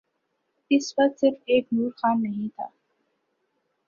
اس وقت صرف ایک نور خان نہیں تھا۔